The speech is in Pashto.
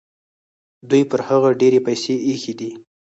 دوی پر هغه ډېرې پیسې ایښي دي.